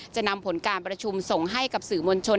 จะนำผลการประชุมส่งให้กับสื่อมวลชน